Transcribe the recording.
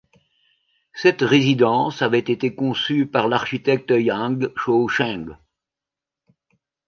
Cette résidence avait été conçue par l'architecte Yang Cho-cheng.